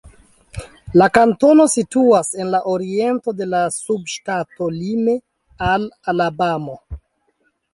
La kantono situas en la oriento de la subŝtato, lime al Alabamo.